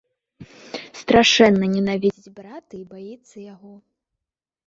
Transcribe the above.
Страшэнна ненавідзіць брата і баіцца яго.